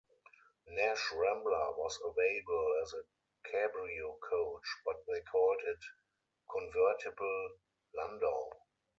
Nash Rambler was available as a cabrio coach, but they called it "convertible landau".